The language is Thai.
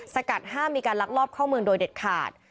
สกัดห้ามมีการลักลอบเข้าเมืองโดยเด็ดขาด